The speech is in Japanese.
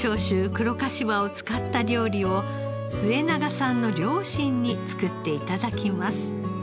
黒かしわを使った料理を末永さんの両親に作って頂きます。